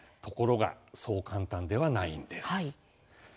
ところがそう簡単ではないんです。